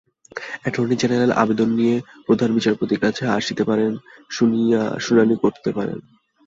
Attorney general আবেদন নিয়ে প্রধান বিচারপতির কাছে আসতে পারেন, শুনানি করতে পারেন।